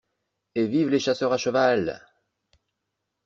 Et vivent les chasseurs à cheval!